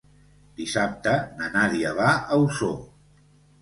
Dissabte na Nàdia va a Osor.